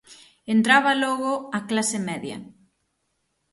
Entraba logo a clase media.